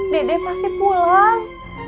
dedek pasti pulang